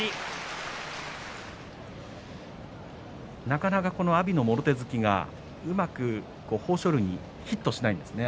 なかなか阿炎のもろ手突きがうまく豊昇龍にヒットしないんですね